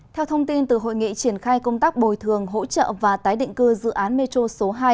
theo thông tin từ hội nghị triển khai công tác bồi thường hỗ trợ và tái định cư dự án metro số hai